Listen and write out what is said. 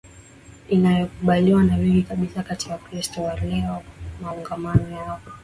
inayokubaliwa na wengi kabisa kati ya Wakristo wa leo Maungamo yao